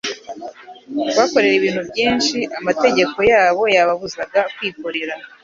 kubakorera ibintu byinshi amategeko yabo yababuzaga kwikorera.